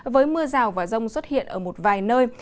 với mưa rào và rông xuất hiện ở một vài nơi